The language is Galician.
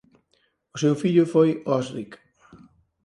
O seu fillo foi Osric.